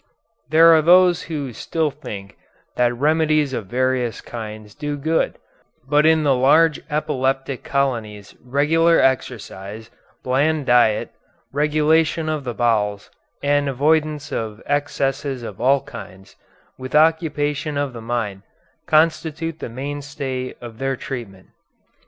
There are those who still think that remedies of various kinds do good, but in the large epileptic colonies regular exercise, bland diet, regulation of the bowels, and avoidance of excesses of all kinds, with occupation of mind, constitute the mainstay of their treatment.